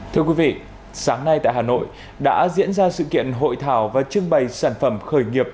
thưa quý vị sáng nay tại hà nội đã diễn ra sự kiện hội thảo và trưng bày sản phẩm khởi nghiệp